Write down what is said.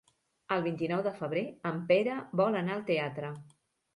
El vint-i-nou de febrer en Pere vol anar al teatre.